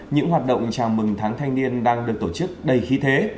những hoạt động chào mừng tháng thanh niên đang được tổ chức đầy khí thế